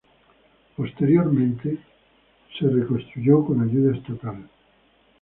Posteriormente fue reconstruido con ayuda estatal.